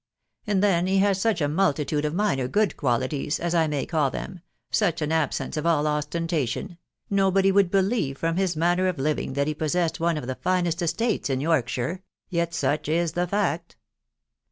And then he has such a multitude of minor good qualities, as I may call them, such an absence of all ostentation .... no body would believe from his manner of living that he possessed one of the finest estates in Yorkshire .... yet such is the fact.